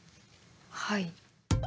はい。